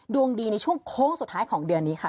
ดวงดีในช่วงโค้งสุดท้ายของเดือนนี้ค่ะ